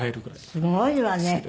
すごいわね。